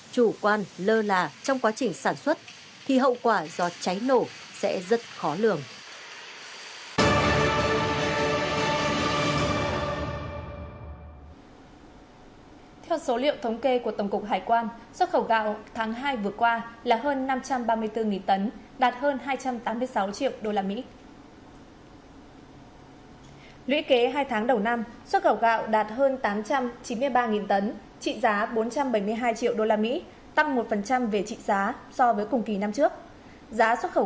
chủ quan lơ là trong quá trình sản xuất thì hậu quả do cháy nổ sẽ rất khó lường